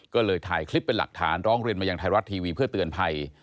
ก็เลยถ่ายคลิปเป็นหลักฐานร้องเรียนมายังไทยรัฐทีวีเพื่อเตือนภัย